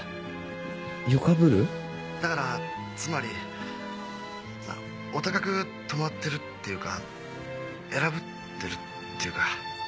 ☎だからつまりお高くとまってるっていうか偉ぶってるっていうか。